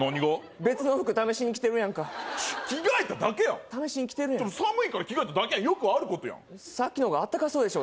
別の服試しにきてるやんか着替えただけやん試しにきてるやん寒いから着替えただけやんよくあることやんさっきの方があったかそうでしょう